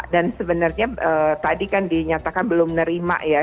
dan sebenarnya tadi kan dinyatakan belum menerima ya